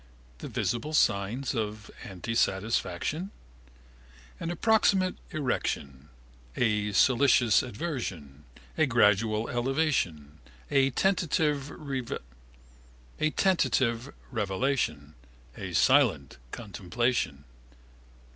The visible signs of antesatisfaction? An approximate erection: a solicitous adversion: a gradual elevation: a tentative revelation: a silent contemplation.